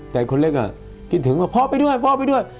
แต่คนเล็กคิดถึงว่าพ่อไปด้วยพ่อไปด้วย